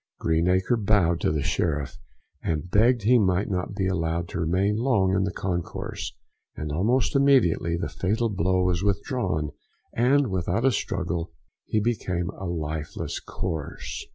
Greenacre bowed to the sheriff, and begged he might not be allowed to remain long in the concourse; and almost immediately the fatal bolt was withdrawn, and, without a struggle, he became a lifeless corse.